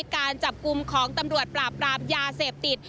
การจับกลุ่มของตำรวจปราบปรามยาเสพติด